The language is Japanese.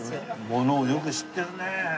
ものをよく知ってるね。